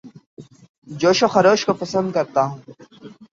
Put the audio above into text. جوش و خروش کو پسند کرتا ہوں